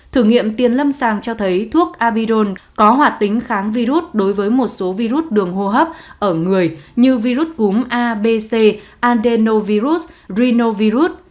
thử nghiệm tiền lâm sàng cho thấy thuốc abidol có hoạt tính kháng virus đối với một số virus đường hô hấp ở người như virus cúm a b c adenovirus rinovirus